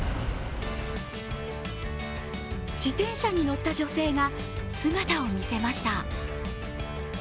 自転車に乗った女性が姿を見せました。